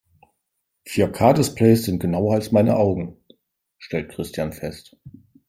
"Vier-K-Displays sind genauer als meine Augen", stellt Christian fest.